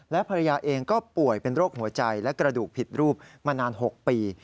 และภรรยาเองก็ป่วยเป็นโรคหัวใจและกระดูกผิดรูปมานาน๖ปี